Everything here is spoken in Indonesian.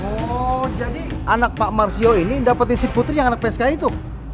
oh jadi anak pak marsio ini dapetin si putri yang anak psk ini tuh